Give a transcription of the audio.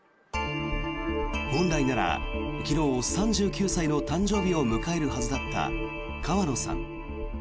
本来なら昨日、３９歳の誕生日を迎えるはずだった川野さん。